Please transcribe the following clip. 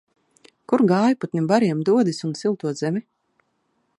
Kur gājputni bariem dodas un silto zemi?